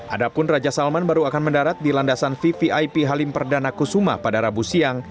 adapun raja salman baru akan mendarat di landasan vvip halim perdana kusuma pada rabu siang